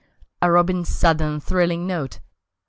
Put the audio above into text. A robin's sudden, thrilling note!